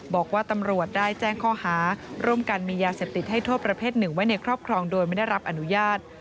บอกว่าตำรวจได้แจ้งข้อหาร่วมกันมียาเสพติดให้โทษประเภทหนึ่งไว้ในครอบครองโดยไม่ได้รับอนุญาต